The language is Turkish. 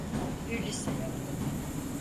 Bir liste yaptım.